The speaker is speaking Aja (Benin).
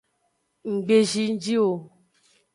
Nggbe zinji o.